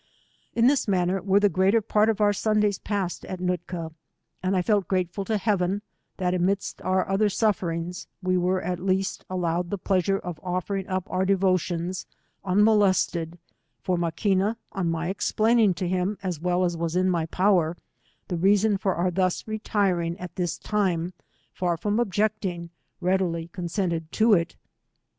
100 In this manner were the greater part of oar Sun days passed at Nootka; and I felt grateful to hea ven, that amidst our other sufferings, we were at least allowed the pleasure of offering up our devo tions unmolested, for Maquina, on my explaining to him as well as was in my power the reason of our thus retiring at this time, far from objecting, readily consented to it.